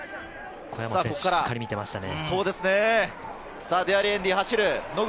小山選手、しっかり見ていましたね。